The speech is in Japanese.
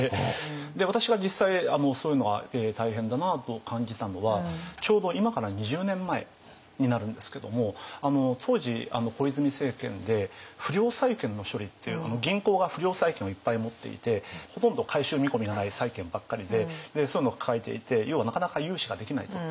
で私が実際そういうのが大変だなと感じたのはちょうど今から２０年前になるんですけども当時小泉政権で不良債権の処理っていう銀行が不良債権をいっぱい持っていてほとんど回収見込みがない債権ばっかりででそういうの抱えていて要はなかなか融資ができないと。